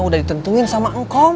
udah ditentuin sama engkom